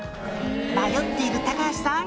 「迷っている高橋さん